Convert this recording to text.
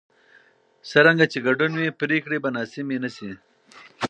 څرنګه چې ګډون وي، پرېکړې به ناسمې نه شي.